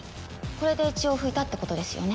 これで血を拭いたってことですよね。